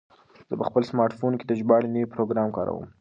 زه په خپل سمارټ فون کې د ژباړې نوی پروګرام کاروم.